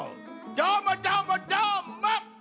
どーもどーもどーもっ！